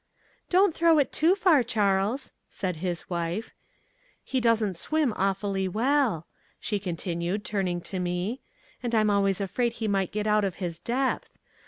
"Don't throw it too far, Charles," said his wife. "He doesn't swim awfully well," she continued, turning to me, "and I'm always afraid he might get out of his depth.